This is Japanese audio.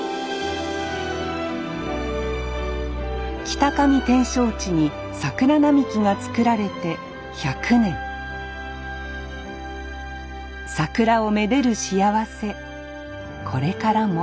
北上展勝地に桜並木が作られて１００年桜を愛でる幸せこれからも